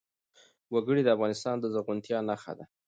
وګړي د افغانستان د زرغونتیا نښه ده.